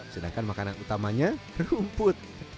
sedangkan makanan utamanya rumput